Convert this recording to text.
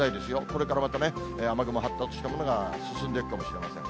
これからまたね、雨雲発達したものが進んでいくかもしれません。